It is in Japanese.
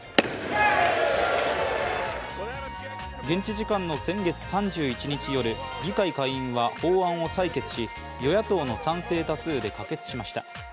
現地時間の先月３１日夜議会下院は法案を採決し与野党の賛成多数で可決しました。